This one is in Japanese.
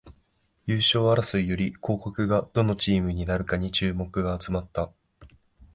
優勝争いより降格がどのチームになるかに注目が集まった